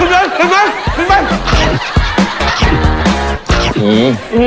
กินไหมกินไป